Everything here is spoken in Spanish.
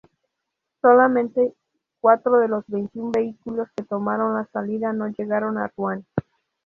Solamente cuatro de los veintiún vehículos que tomaron la salida no llegaron a Ruán.